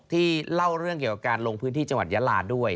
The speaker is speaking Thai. เล่าเรื่องเกี่ยวกับการลงพื้นที่จังหวัดยาลาด้วย